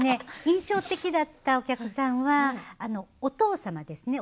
印象的だったお客さんはお父様です。